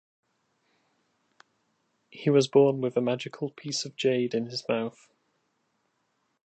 He was born with a magical piece of "jade" in his mouth.